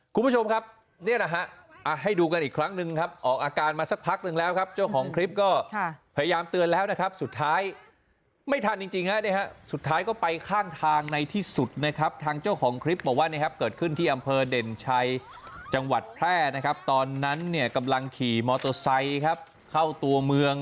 คุณผู้ชมครับเนี่ยนะฮะให้ดูกันอีกครั้งหนึ่งครับออกอาการมาสักพักหนึ่งแล้วครับเจ้าของคลิปก็พยายามเตือนแล้วนะครับสุดท้ายไม่ทันจริงฮะสุดท้ายก็ไปข้างทางในที่สุดนะครับทางเจ้าของคลิปบอกว่าเนี่ยครับเกิดขึ้นที่อำเภอเด่นชัยจังหวัดแพร่นะครับตอนนั้นเนี่ยกำลังขี่มอเตอร์ไซค์ครับเข้าตัวเมือง